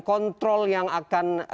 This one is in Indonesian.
kontrol yang akan